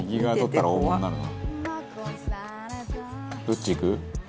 「どっちいく？